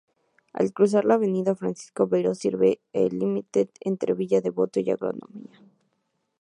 Al cruzar la Avenida Francisco Beiró sirve de límite entre Villa Devoto y Agronomía.